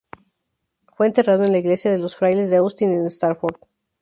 Fue enterrado en la iglesia de los frailes de Austin en Stafford.